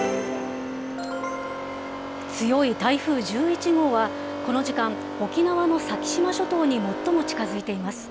強い台風１１号は、この時間、沖縄の先島諸島に最も近づいています。